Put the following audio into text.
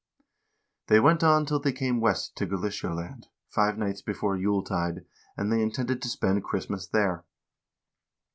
"They went on till they came west to Galicialand, five nights before Jule tide, and they intended to spend Christmas there.